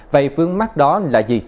vậy vương mắt đó là gì